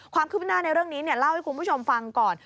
ความคืบหน้าในเรื่องนี้เล่าให้คุณผู้ชมฟังก่อน